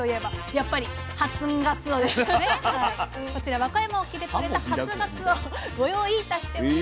こちら和歌山沖で取れた初がつおご用意いたしております。